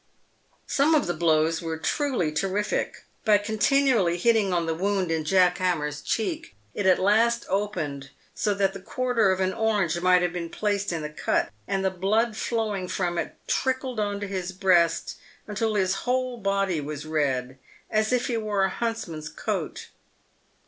Some of the blows were truly terrific. By continually hitting on the wound in Jack Hammer's cheek, it at last opened so that the quarter of an orange might have been placed in the cut, and the blood flowing from it trickled on to his breast, until his whole body was red, as if he wore a huntsman's coat.